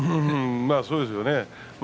そうですね。